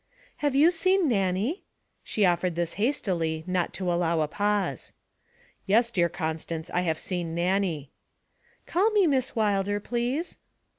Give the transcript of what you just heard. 'Have you seen Nannie?' She offered this hastily, not to allow a pause. 'Yes, dear Constance, I have seen Nannie.' 'Call me "Miss Wilder," please.'